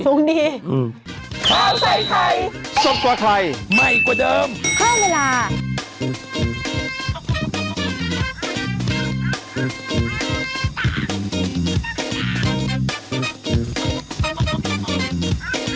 สูงดี